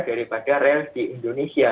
daripada rail di indonesia